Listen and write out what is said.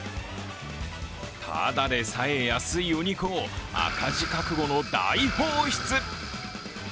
ただでさえ安いお肉を赤字覚悟の大放出。